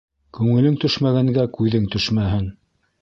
Күңелең төшмәгәнгә күҙең төшмәһен.